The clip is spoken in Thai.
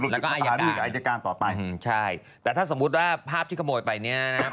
แล้วก็อายการใช่แต่ถ้าสมมุติว่าภาพที่ขโมยไปนี่นะครับ